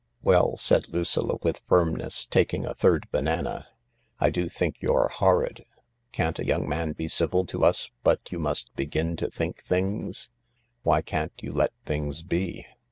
" Well," said Lucilla with firmness, taking a third banana, " I do think you're horrid. Can't a young man be civil to us but you must begin to think things ? Why can't you let things be